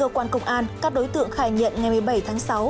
cơ quan công an các đối tượng khai nhận ngày một mươi bảy tháng sáu